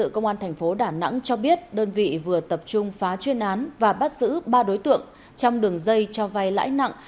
công an thành phố đà nẵng cho biết đơn vị vừa tập trung phá chuyên án và bắt giữ ba đối tượng trong đường dây cho vay lãi nặng